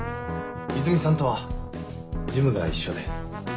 イズミさんとはジムが一緒で。